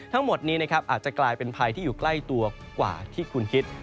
ทั้งหมดนี้นะครับอาจจะกลายเป็นภัยที่อยู่ใกล้ตัวกว่าที่คุณคิด